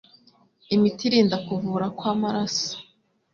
imiti irinda kuvura kw'amaraso